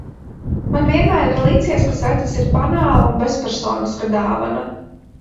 Man vienmēr ir licies, ka sveces ir banāla un bezpersoniska dāvana.